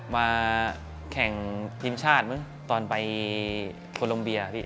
มาแข่งทีมชาติตอนไปกรมเบียร์